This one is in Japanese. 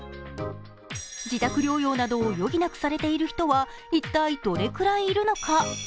自宅療養などを余儀なくされている人は一体どれくらいいるのか。